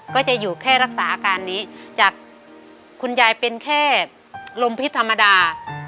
ก็จะอยู่แค่รักษาอาการนี้จากคุณยายเป็นแค่ลมพิษธรรมดา